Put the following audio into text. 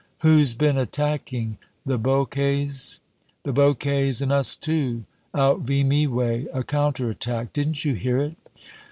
"Who's been attacking? The Boches?" "The Boches and us too out Vimy way a counterattack didn't you hear it?"